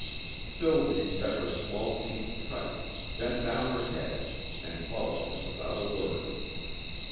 Sylvie set her small teeth tight, bent down her head, and followed him without a word.